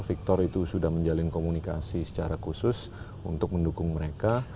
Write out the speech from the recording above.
victor itu sudah menjalin komunikasi secara khusus untuk mendukung mereka